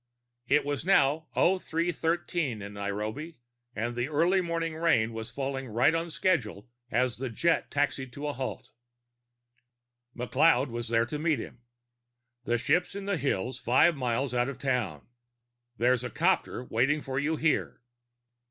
It was now 0313 in Nairobi; the early morning rain was falling right on schedule as the jet taxied to a halt. McLeod was there to meet him. "The ship's in the hills, five miles out of town. There's a copter waiting for you here."